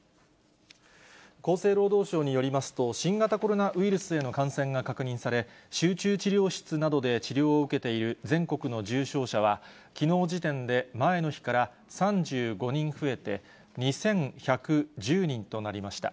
厚生労働省によりますと、新型コロナウイルスへの感染が確認され、集中治療室などで治療を受けている全国の重症者は、きのう時点で前の日から３５人増えて、２１１０人となりました。